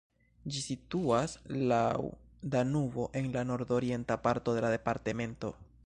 Ĝi situas laŭ Danubo en la nordorienta parto de la departemento.